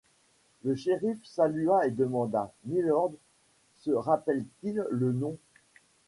Le shériff salua et demanda: — Mylord se rappelle-t-il le nom?